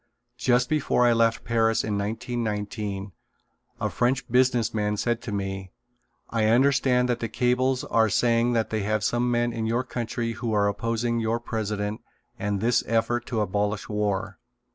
Just before I left Paris in 1919 a French business man said to me: "I understand that the cables are saying that you have some men in your country who are opposing your president and this effort to abolish war.